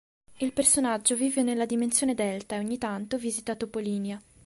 Il personaggio vive nella "dimensione delta" e ogni tanto visita Topolinia.